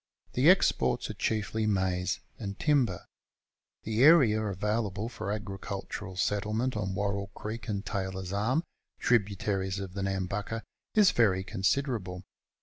The exports are chiefly maize and timber, The area available for agricultural settlement on Worrel Creek and Taylor's Arm, tributaries of the Nambucca, is very considerable.